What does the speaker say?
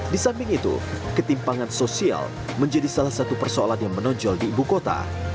di samping itu ketimpangan sosial menjadi salah satu persoalan yang menonjol di ibu kota